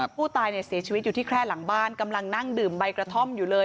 ผู้ตายเนี่ยเสียชีวิตอยู่ที่แค่หลังบ้านกำลังนั่งดื่มใบกระท่อมอยู่เลย